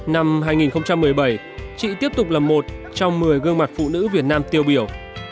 năm hai nghìn một mươi bảy chị tiếp tục là một trong một mươi gương mặt phụ nữ việt nam tiêu biểu